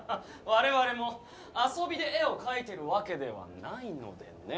われわれも遊びで絵を描いてるわけではないのでね。